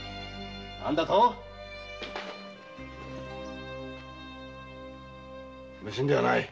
何だと⁉無心ではない。